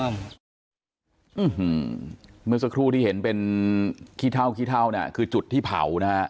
เมื่อสักครู่ที่เห็นเป็นขี้เท่าคือจุดที่เผานะฮะ